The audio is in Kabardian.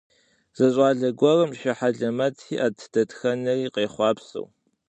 Зы щӏалэ гуэрым шы хьэлэмэт иӏэт, дэтхэнэри къехъуапсэу.